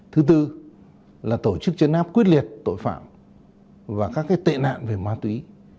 thứ tư là tổ chức chấn áp quyết liệt tội phạm và các tệ nạn về ma túy